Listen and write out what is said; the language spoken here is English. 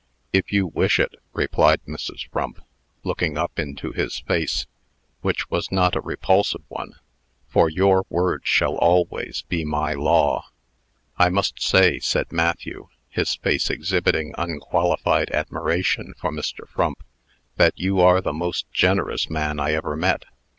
"If you wish it," replied Mrs. Frump, looking up into his face, which was not a repulsive one, "for your word shall always be my law." "I must say," said Matthew, his face exhibiting unqualified admiration for Mr. Frump, "that you are the most generous man I ever met.